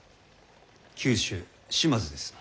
九州島津ですな。